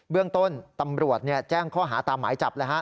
เรื่องต้นตำรวจแจ้งข้อหาตามหมายจับเลยฮะ